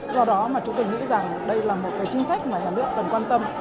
do đó mà chúng tôi nghĩ rằng đây là một cái chính sách mà nhà nước cần quan tâm